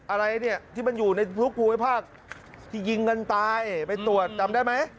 อะไรเนี่ยที่มันอยู่ในทุกภูมิภาคที่ยิงกันตายไปตรวจจำได้ไหม